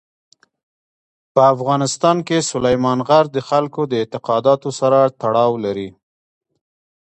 په افغانستان کې سلیمان غر د خلکو د اعتقاداتو سره تړاو لري.